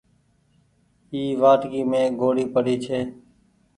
اي وآٽڪي مين ڳوڙي پري ڇي۔